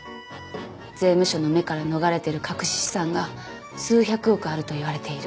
税務署の目から逃れてる隠し資産が数百億あるといわれている。